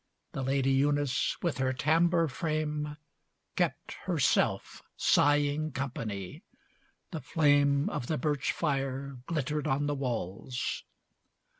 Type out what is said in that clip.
The Lady Eunice with her tambour frame Kept herself sighing company. The flame Of the birch fire glittered on the walls.